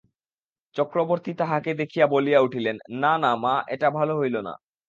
চক্রবর্তী তাহাকে দেখিয়া বলিয়া উঠিলেন, না না মা, এটা ভালো হইল না।